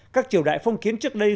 các triều đại phong kiến trước đây